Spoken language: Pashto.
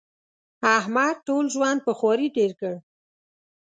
احمد ټول ژوند په خواري تېر کړ.